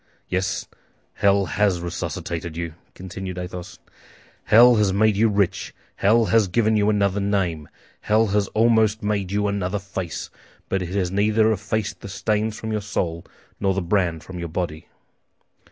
"Yes, hell has resuscitated you," continued Athos. "Hell has made you rich, hell has given you another name, hell has almost made you another face; but it has neither effaced the stains from your soul nor the brand from your body."